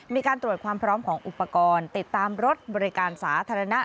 มีการตรวจความพร้อมของอุปกรณ์ติดตามรถบริการสาธารณะ